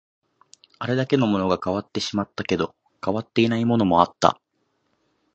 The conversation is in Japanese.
あれだけのものが変わってしまったけど、変わっていないものもあった